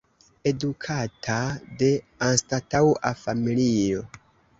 Edukata de anstataŭa familio.